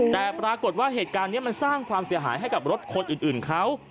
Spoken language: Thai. แต่ปรากฏว่าเหตุการณ์นี้มันสร้างความเสียหายให้กับรถคนอื่นเขา